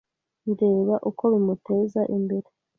ndeba uko bimuteza imbere